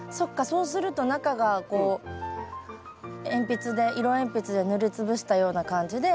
そうすると中がこう鉛筆で色鉛筆で塗りつぶしたような感じで。